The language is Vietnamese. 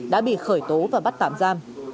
đã bị khởi tố và bắt tạm giam